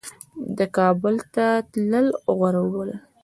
ده کابل ته تلل غوره وبلل.